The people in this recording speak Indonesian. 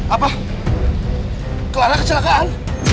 apa kelana kecelakaan